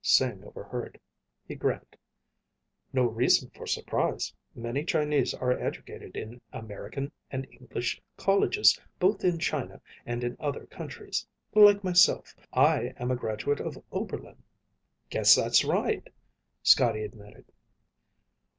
Sing overheard. He grinned. "No reason for surprise. Many Chinese are educated in American and English colleges both in China and in other countries. Like myself. I am a graduate of Oberlin." "Guess that's right," Scotty admitted.